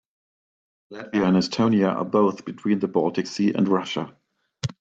Latvia and Estonia are both between the Baltic Sea and Russia.